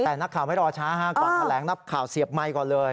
แต่นักข่าวไม่รอช้าก่อนแถลงนับข่าวเสียบไมค์ก่อนเลย